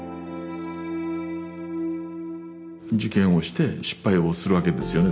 受験をして失敗をするわけですよね